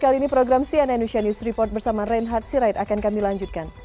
kali ini program cnn news report bersama reinhard sirait akan kami lanjutkan